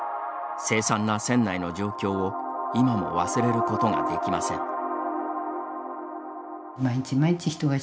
凄惨な船内の状況を今も忘れることができません。